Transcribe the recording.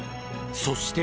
そして。